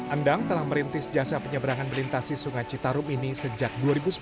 endang telah merintis jasa penyeberangan melintasi sungai citarum ini sejak dua ribu sepuluh